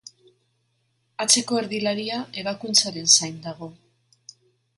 Atzeko erdilaria ebakuntzaren zain dago.